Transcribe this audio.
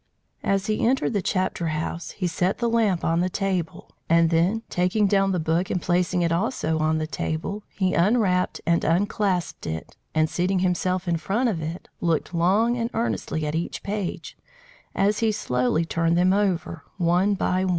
As he entered the chapter house, he set the lamp on the table; and then taking down the book and placing it also on the table, he unwrapped and unclasped it, and seating himself in front of it, looked long and earnestly at each page as he slowly turned them over, one by one.